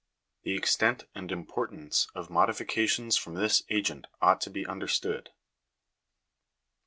The extent and importance of modifications from this agent ought to be understood.